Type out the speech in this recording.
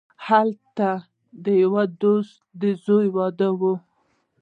هلته د یوه دوست د زوی واده وو.